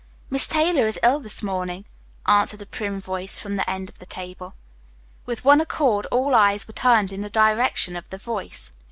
"Miss Taylor is ill this morning," answered a prim voice from the end of the table. With one accord all eyes were turned in the direction of the voice.